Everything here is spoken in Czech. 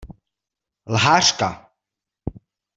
Lhářka!